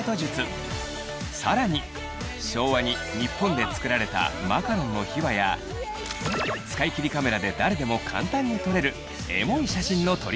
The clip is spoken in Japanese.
更に昭和に日本で作られたマカロンの秘話や使い切りカメラで誰でも簡単に撮れるエモい写真の撮り方も！